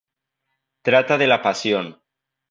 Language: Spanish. Trata de la pasión.